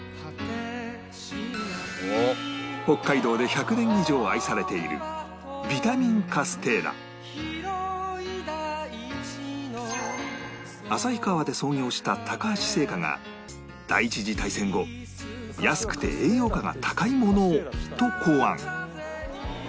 北海道で１００年以上愛されている旭川で創業した高橋製菓が第一次大戦後安くて栄養価が高いものをと考案